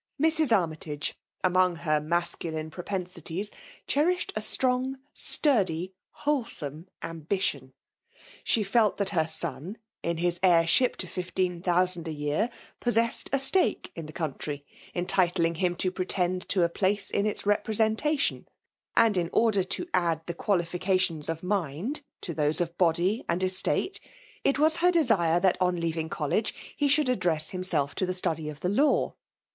Mrs. Armytage, araonj^ her masculine propensities, cherished a strongs sturdy, wholesome ambition. She felt that her FEMALE DOMINATION, 33 >«»•• tioB, in his heirship to fifteen thousand a year^ possessed a stake in the country, entitling him io pretend to a place in its representation ; ^d, in order to add the qualifications of mmd to those of body and estate, it was her desire that, on leaving College, he should address himself to the study of the law.